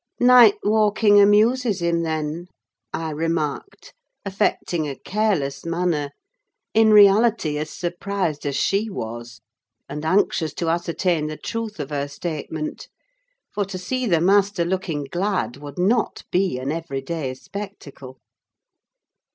"Night walking amuses him, then," I remarked, affecting a careless manner: in reality as surprised as she was, and anxious to ascertain the truth of her statement; for to see the master looking glad would not be an every day spectacle.